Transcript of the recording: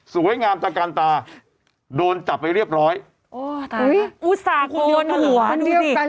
สวยงามจากกรรตาโดนจับไปเรียบร้อยโอ้ตาอุ้ยอุศากลคนเดียวกันหรอ